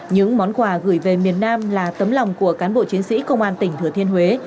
những món quà gửi về miền nam là tấm lòng của cán bộ chiến sĩ công an tỉnh thừa thiên huế